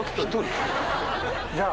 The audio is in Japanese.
じゃあ。